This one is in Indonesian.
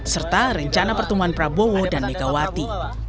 serta rencana pertemuan prabowo dan megawati